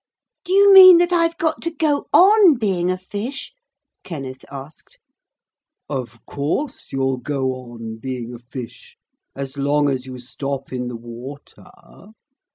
'Do you mean that I've got to go on being a fish?' Kenneth asked. 'Of course you'll go on being a fish as long as you stop in the water.